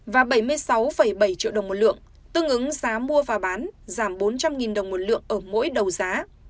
và bảy mươi sáu bảy triệu đồng một lượng tương ứng giá mua và bán giảm bốn trăm linh đồng một lượng ở mỗi đầu giá